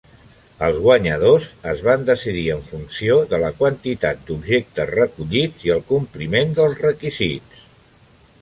Els guanyadors es van decidir en funció de la quantitat d'objectes recollits i el compliment dels requisits.